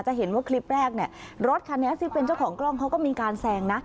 จะเห็นว่าคลิปแรกเนี่ยรถคันนี้ที่เป็นเจ้าของกล้องเขาก็มีการแซงนะ